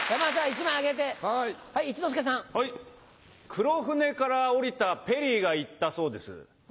黒船から下りたペリーが言ったそうです。